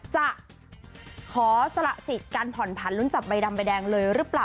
จะขอสละสิทธิ์การผ่อนผันลุ้นจับใบดำใบแดงเลยหรือเปล่า